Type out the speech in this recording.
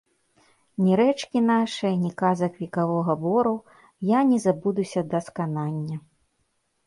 Ні рэчкі нашае, ні казак векавога бору я не забудуся да сканання.